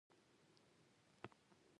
د رسټورانټ مخې ته مې یو عکس واخلي.